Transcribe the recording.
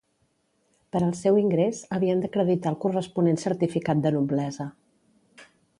Per al seu ingrés, havien d'acreditar el corresponent certificat de noblesa.